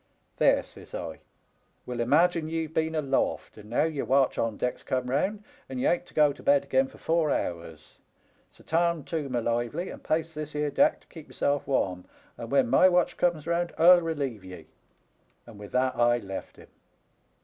"* There,' says I, * we'll imagine ye've been aloft, and now your watch on deck's come round, and ye ain't to go to bed again for four hours. So tarn too, my lively, and pace this 'ere deck to keep yourself warm, and when my watch comes round 1*11 relieve ye.' And with that I left him.